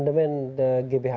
dpr itu sudah terbatas